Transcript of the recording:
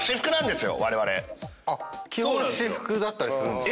基本私服だったりするんですか？